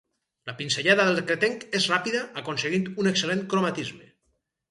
La pinzellada del cretenc és ràpida, aconseguint un excel·lent cromatisme.